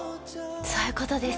そういうことです